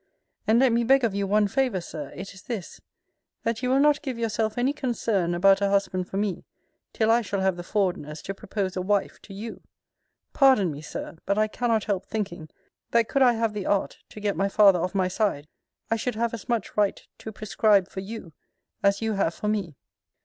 And let me beg of you one favour, Sir: It is this, That you will not give yourself any concern about a husband for me, till I shall have the forwardness to propose a wife to you. Pardon me, Sir; but I cannot help thinking, that could I have the art to get my father of my side, I should have as much right to prescribe for you, as you have for me.